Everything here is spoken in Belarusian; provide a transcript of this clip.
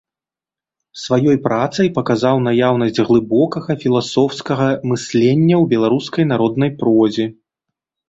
Сваёй працай паказаў наяўнасць глыбокага філасофскага мыслення ў беларускай народнай прозе.